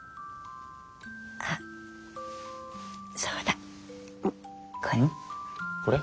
あっそうだこれ。